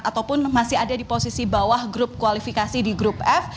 ataupun masih ada di posisi bawah grup kualifikasi di grup f